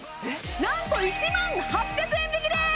なんと１万８００円引きです！